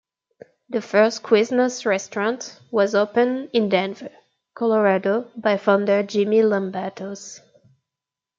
The first Quiznos restaurant was opened in Denver, Colorado, by founder Jimmy Lambatos.